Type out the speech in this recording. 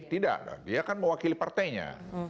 tidak dia kan mewakili partainya